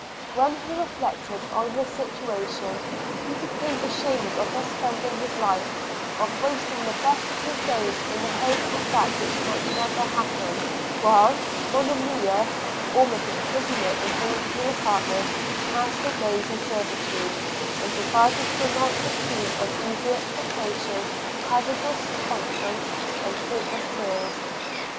When he reflected on his situation, he became ashamed of thus spending his life, of wasting the best of his days in the hope of that which might never happen; while Monimia, almost a prisoner in her little apartment, passed the day in servitude, and divided the night between uneasy expectation, hazardous conference, and fruitless tears.